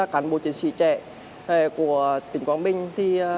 cảnh sát phòng cháy chữa cháy công an tỉnh quảng bình